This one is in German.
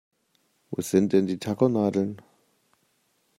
Wo sind denn die Tackernadeln?